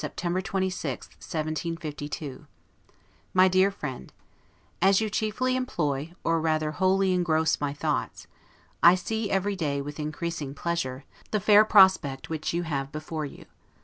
LETTER CLXXVIII LONDON, September 26, 1752 MY DEAR FRIEND: As you chiefly employ, or rather wholly engross my thoughts, I see every day, with increasing pleasure, the fair prospect which you have before you.